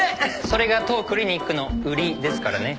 それが当クリニックの売りですからね。